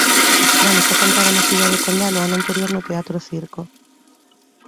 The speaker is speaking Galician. A soprano xa cantara na cidade condal o ano anterior no Teatro Circo.